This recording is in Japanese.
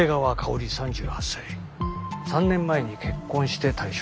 ３年前に結婚して退職。